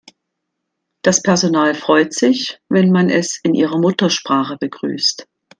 Das Personal freut sich, wenn man es in ihrer Muttersprache begrüßt.